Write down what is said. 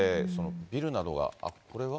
ビルなどが、あっ、これは？